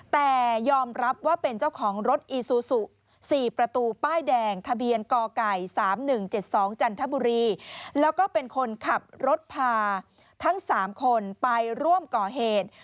แต่ยอมรับว่าเป็นเจ้าของรถอีซูซู๔ประตูป้ายแดงทะเบียนกไก่๓๑๗๒จันทบุรีแล้วก็เป็นคนขับรถพาทั้ง๓คนไปร่วมก่อเหตุ